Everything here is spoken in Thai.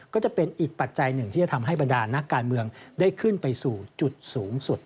ก็จะเป็นอีกปัจจัยหนึ่งที่จะทำให้บรรดานักการเมืองได้ขึ้นไปสู่จุดสูงสุด